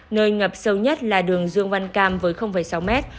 nơi ngập sâu nhất là đường dương văn cam với sáu mét